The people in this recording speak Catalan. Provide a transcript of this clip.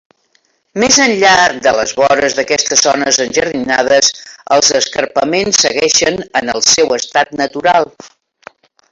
Més enllà de les vores d'aquestes zones enjardinades, els escarpaments segueixen en el seu estat natural.